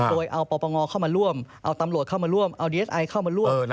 โดยเอาปปงเข้ามาร่วมเอาตำรวจเข้ามาร่วมเอาดีเอสไอเข้ามาร่วม